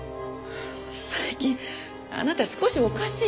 最近あなた少しおかしい。